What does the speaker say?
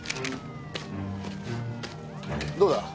どうだ？